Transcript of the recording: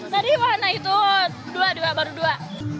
tadi warna itu dua baru dua